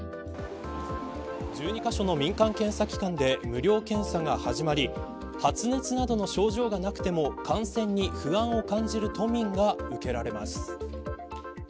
１２カ所の民間検査機関で無料検査が始まり発熱などの症状がなくても感染に不安を感じる都民が受けられます。